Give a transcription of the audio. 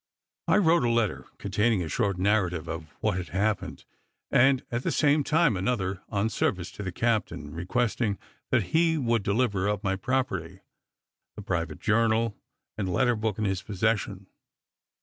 I wrote a letter containing a short narrative of what had happened, and, at the same time, another on service to the captain, requesting that he would deliver up my property, the private journal, and letter book in his possession.